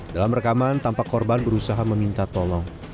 dalam rekaman tampak korban berusaha meminta tolong